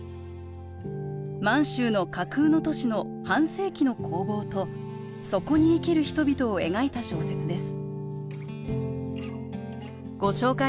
満洲の架空の都市の半世紀の興亡とそこに生きる人々を描いた小説です。